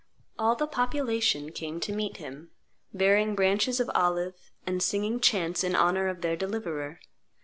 All the population came to meet him, bearing branches of olive and singing chants in honor of their deliverer.